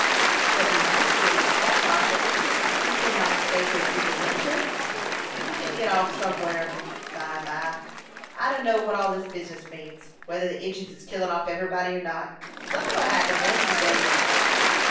"But we must leave some time. We could not stay here through the winter." "We kin git off somewhar bime by. I dunno what all this business means whether the Injins is killin' off everybody or not. Sunthin' 'll happen one o' these days."